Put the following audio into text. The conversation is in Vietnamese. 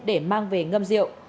để mang về ngâm rượu